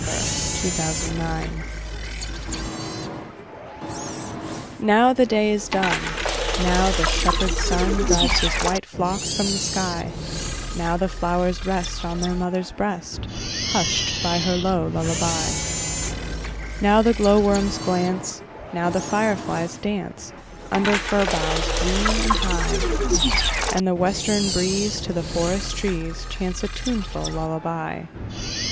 Louisa May Alcott Lullaby NOW the day is done, Now the shepherd sun Drives his white flocks from the sky; Now the flowers rest On their mother's breast, Hushed by her low lullaby. Now the glowworms glance, Now the fireflies dance, Under fern boughs green and high; And the western breeze To the forest trees Chants a tuneful lullaby.